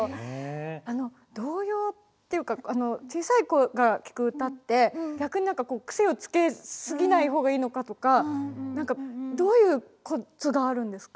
あの童謡っていうか小さい子が聴く歌って逆に何か癖をつけ過ぎない方がいいのかとか何かどういうコツがあるんですか？